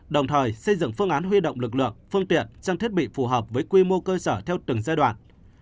đồng thời xây dựng phương án huy động lực lượng phương tiện trang thiết bị phù hợp với quy mô cơ sở theo từng giai đoạn